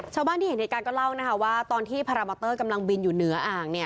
ชาวบ้านที่เห็นเหตุการณ์ก็เล่านะคะว่าตอนที่พารามอเตอร์กำลังบินอยู่เหนืออ่าง